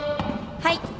はい。